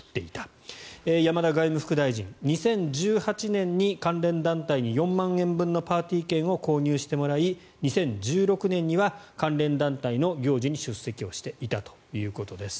２０１８年に関連団体に４万円分のパーティー券を購入してもらい２０１６年には関連団体の行事に出席をしていたということです。